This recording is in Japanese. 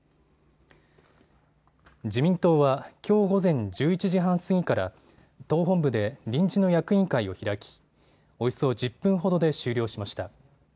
自民党はきょう午前１１時半過ぎから党本部で臨時の役員会を開きおよそ１０分ほどで終了しました。